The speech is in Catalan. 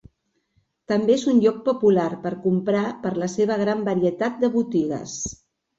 També és un lloc popular per comprar per la seva gran varietat de botigues.